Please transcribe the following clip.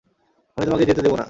আমি তোমাকে যেতে দেবো না!